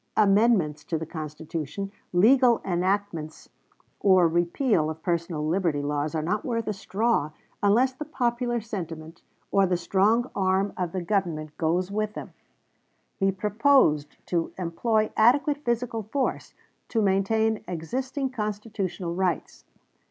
Amendments to the Constitution, legal enactments, or repeal of personal liberty laws are not worth a straw unless the popular sentiment or the strong arm of the Government goes with them. He proposed to employ adequate physical force to maintain existing constitutional rights.